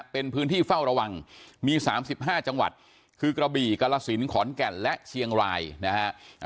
เป็นพื้นที่เฝ้าระวังมี๓๕จังหวัดคือกระบี่กรสินขอนแก่นและเชียงรายนะฮะ